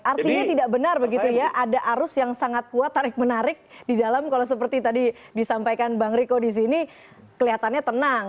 artinya tidak benar begitu ya ada arus yang sangat kuat tarik menarik di dalam kalau seperti tadi disampaikan bang riko di sini kelihatannya tenang